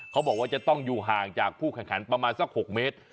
เขาบอกว่าจะต้องอยู่ห่างจากผู้แข่งขันประมาณสัก๖เมตร